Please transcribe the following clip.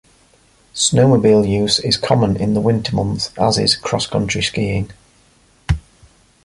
Snowmobile use is common in the winter months as is cross-country skiing.